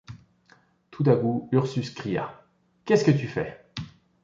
Tout à coup Ursus cria: — Qu’est-ce que tu fais?